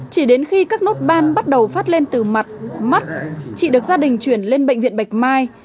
chỉ đến khi các nốt ban bắt đầu phát lên từ mặt mắt chị được gia đình chuyển lên bệnh viện bạch mai